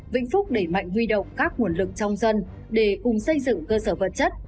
vĩnh phúc đẩy mạnh huy động các nguồn lực trong dân để cùng xây dựng cơ sở vật chất